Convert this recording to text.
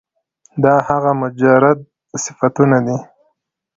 دا هغه مجرد صفتونه دي